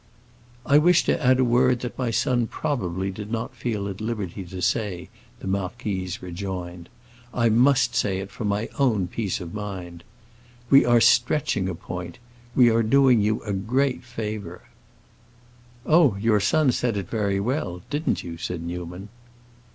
"I wish to add a word that my son probably did not feel at liberty to say," the marquise rejoined. "I must say it for my own peace of mind. We are stretching a point; we are doing you a great favor." "Oh, your son said it very well; didn't you?" said Newman.